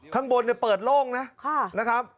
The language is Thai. ข้างบนเนี่ยเปิดโล่งนะนะครับ